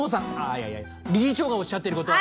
いやいや理事長がおっしゃってる事は。